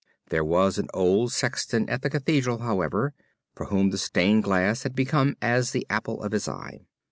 There was an old sexton at the Cathedral, however, for whom the stained glass had become as the apple of his eye.